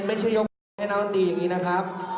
ไม่ใช่ยกแขนให้น้องดีอย่างนี้นะครับ